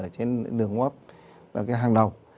trên đường hấp là cái hàng đầu